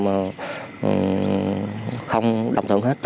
mà không đồng thuận hết